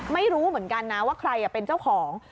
ไม่รู้เหมือนกันนะว่าใครเป็นเจ้าของ